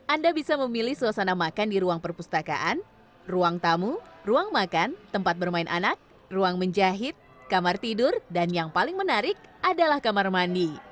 anda bisa memilih suasana makan di ruang perpustakaan ruang tamu ruang makan tempat bermain anak ruang menjahit kamar tidur dan yang paling menarik adalah kamar mandi